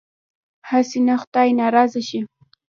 هسې نه خدای ناراضه شي.